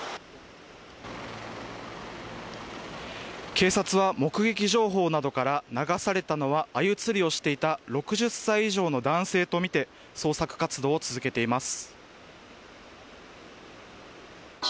警察は目撃情報などから流されたのはアユ釣りをしていた６０歳以上の男性とみて捜索活動を続けています。